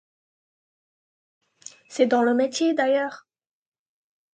C'est dans le métier, d'ailleurs.